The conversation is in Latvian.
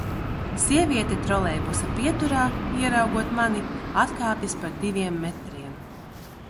Sieviete trolejbusa pieturā, ieraugot mani, atkāpjas par diviem metriem.